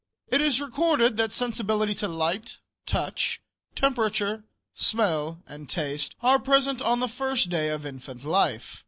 It is recorded that sensibility to light, touch, temperature, smell and taste are present on the first day of infant life.